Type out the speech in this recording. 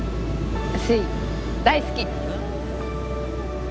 粋大好き！